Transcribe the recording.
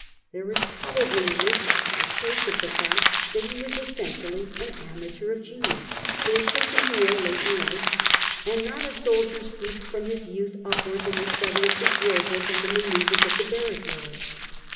There is probably in this a trace of tbe fact that he was essentially an amateur of genius, who had taken to war late in life, and not a soldier steeped from his youth upwards in the study of the drill book and the manoeuvres of the barrack yard.